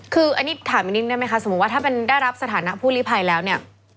คืออันนี้ถามอีกนิดได้ไหมคะสมมุติว่าถ้าได้รับสถานะผู้ลิภัยแล้วเนี่ย